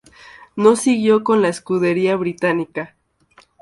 No siguió con la escudería británica.